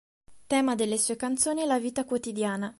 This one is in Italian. Tema delle sue canzoni è la vita quotidiana.